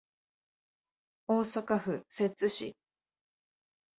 大阪府摂津市